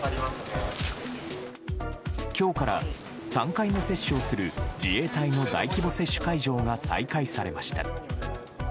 今日から３回目を接種する自衛隊の大規模接種会場が再開されました。